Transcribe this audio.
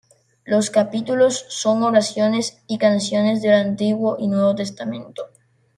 Los capítulos son oraciones y canciones del Antiguo y Nuevo Testamento.